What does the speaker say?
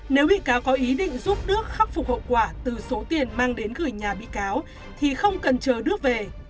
nếu bị cáo có ý định giúp nước khắc phục hậu quả từ số tiền mang đến gửi nhà bị cáo thì không cần chờ nước về